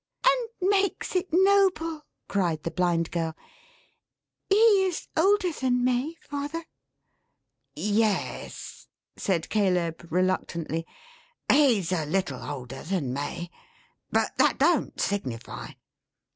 "And makes it noble!" cried the Blind Girl. "He is older than May, father." "Ye es," said Caleb, reluctantly. "He's a little older than May. But that don't signify."